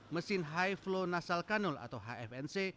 mesin high flow nasal kanul atau hfnc